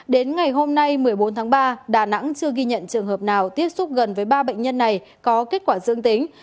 đến ngày hôm nay một mươi bốn tháng ba đà nẵng chưa ghi nhận trường hợp nào tiếp xúc gần với ba bệnh nhân này có kết quả dương tính